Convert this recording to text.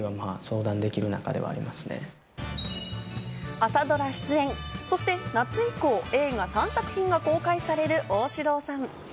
朝ドラ出演、そして夏以降、映画３作品が公開される旺志郎さん。